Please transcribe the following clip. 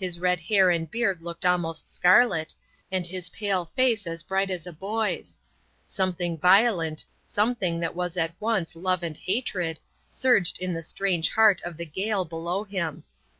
His red hair and beard looked almost scarlet, and his pale face as bright as a boy's. Something violent, something that was at once love and hatred, surged in the strange heart of the Gael below him.